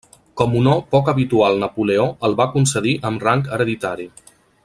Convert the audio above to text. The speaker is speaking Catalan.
Com honor poc habitual Napoleó el va concedir amb rang hereditari.